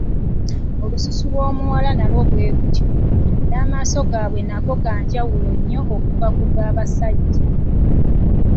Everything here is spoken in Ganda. Olususu lw'omuwala nalwo bwe lutyo, amaaso agaabwe nago ga njawulo nnyo okuva ku ga basajja